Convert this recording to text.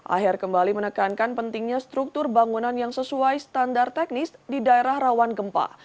akhir kembali menekankan pentingnya struktur bangunan yang sesuai standar teknis di daerah rawan gempa